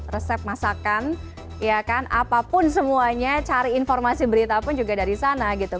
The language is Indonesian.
resep masakan ya kan apapun semuanya cari informasi berita pun juga dari sana gitu